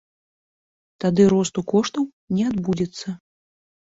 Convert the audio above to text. Тады росту коштаў не адбудзецца.